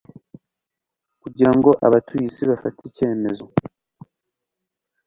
kugira ngo abatuye isi bafate icyemezo